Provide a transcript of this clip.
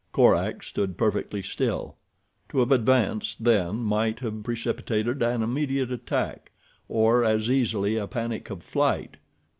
Korak stood perfectly still. To have advanced then might have precipitated an immediate attack, or, as easily, a panic of flight.